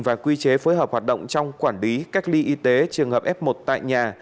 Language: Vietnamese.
và quy chế phối hợp hoạt động trong quản lý cách ly y tế trường hợp f một tại nhà